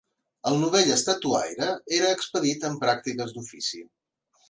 El novell estatuaire era expedit en pràctiques d'ofici